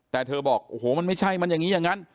แต่เธอบอกโอ้โหมันไม่ใช่มันอย่างนี้อย่างนั้น